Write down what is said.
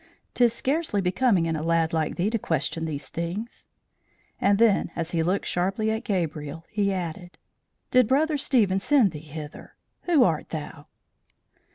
'Tis scarcely becoming in a lad like thee to question these things." And then, as he looked sharply at Gabriel, he added, "Did Brother Stephen send thee hither? Who art thou?"